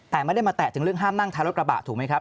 แต่ไม่ได้มาแตะถึงเรื่องห้ามนั่งท้ายรถกระบะถูกไหมครับ